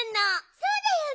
そうだよね！